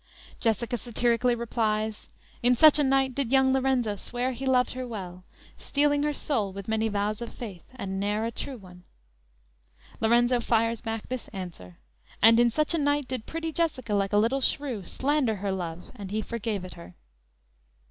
"_ Jessica satirically replies: _"In such a night Did young Lorenzo swear he loved her well; Stealing her soul with many vows of faith, And ne'er a true one."_ Lorenzo fires back this answer: _"And in such a night Did pretty Jessica, like a little shrew Slander her love, and he forgave it her."